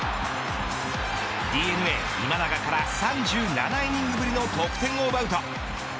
ＤｅＮＡ今永から３７イニングぶりの得点を奪うと。